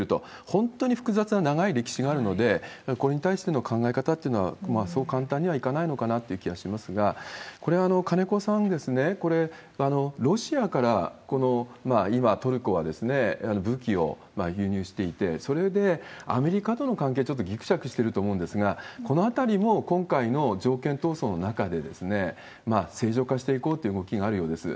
本当に複雑な長い歴史があるので、これに対しての考え方っていうのは、そう簡単にはいかないのかなという気はしますが、これ、金子さん、ロシアから今、トルコは武器を輸入していて、それでアメリカとの関係、ちょっとぎくしゃくしてると思うんですが、このあたりも、今回の条件闘争の中で正常化していこうという動きがあるようです。